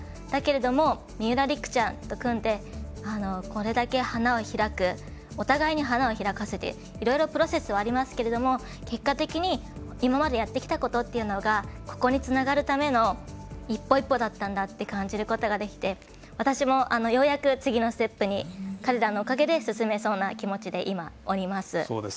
だけれども三浦璃来ちゃんと組んでこれだけ花を開くお互いに花開かせているいろいろプロセスはありますが結果的に今までやってきたことというのがここにつながるための一歩一歩だったんだって感じることができて私もようやく次のステップに、彼らのおかげで進めそうな感じで今、おります。